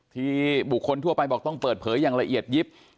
ที่บุคคลทั่วไปบอกต้องเปิดเผยอย่างละเอียดยิบ